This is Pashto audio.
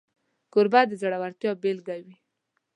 کوربه د زړورتیا بيلګه وي.